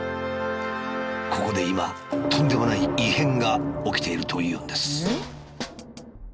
ここで今とんでもない異変が起きているというんです。